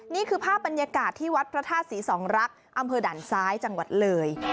นี่คือภาพบรรยากาศที่วัดพระธาตุศรีสองรักษ์อำเภอด่านซ้ายจังหวัดเลย